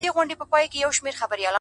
• په نغمو په ترانو به یې زړه سوړ وو ,